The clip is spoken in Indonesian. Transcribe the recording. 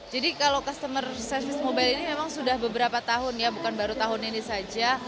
kalau customer service mobile ini memang sudah beberapa tahun ya bukan baru tahun ini saja